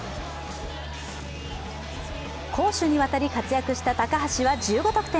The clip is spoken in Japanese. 攻守にわたり活躍した高橋は１５得点。